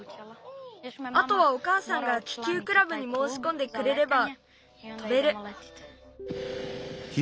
あとはおかあさんが気球クラブにもうしこんでくれれば飛べる。